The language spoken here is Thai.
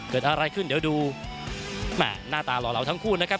เกิดอะไรขึ้นเดี๋ยวดูแหม่หน้าตาหล่อเหล่าทั้งคู่นะครับ